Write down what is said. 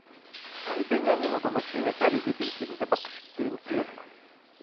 Sahilde yan yana dolaşıyor ve sadece birbirimize bakışıp gülümsüyorduk.